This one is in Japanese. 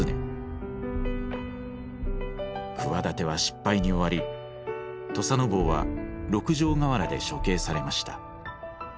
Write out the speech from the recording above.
企ては失敗に終わり土佐坊は六条河原で処刑されました。